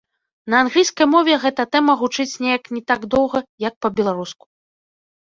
На англійскай мове гэта тэма гучыць неяк не так доўга, як па-беларуску.